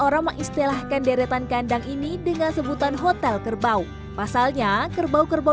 orang mengistilahkan deretan kandang ini dengan sebutan hotel kerbau pasalnya kerbau kerbau